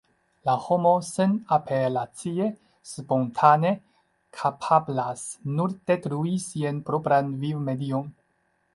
La homo senapelacie, spontane kapablas nur detrui sian propran vivmedion.